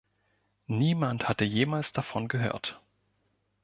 Niemand hatte jemals davon gehört.